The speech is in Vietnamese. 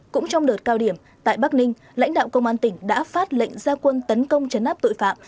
cũng trong đợt cao điểm tại bắc ninh lãnh đạo công an tỉnh đã phát lệnh gia quân tấn công chấn áp tội phạm